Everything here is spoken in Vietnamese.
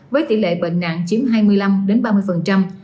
với tỷ lệ bệnh nặng chiếm hai mươi năm đến ba mươi